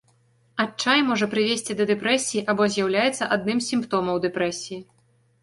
Адчай можа прывесці да дэпрэсіі або з'яўляецца адным з сімптомаў дэпрэсіі.